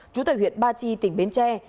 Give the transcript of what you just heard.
trú tại huyện ba chi tỉnh bến tre